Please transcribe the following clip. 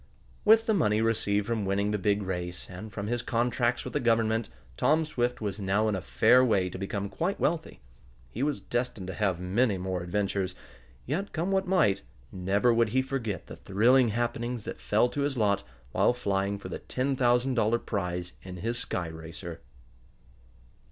With the money received from winning the big race, and from his contracts from the Government, Tom Swift was now in a fair way to become quite wealthy. He was destined to have many more adventures; yet, come what might, never would he forget the thrilling happenings that fell to his lot while flying for the ten thousand dollar prize in his sky racer.